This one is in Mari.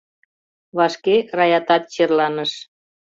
Вашке Раятат черланыш.